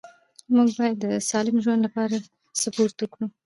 موږ باید د سالم ژوند لپاره سپورت وکړو